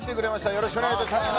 よろしくお願いします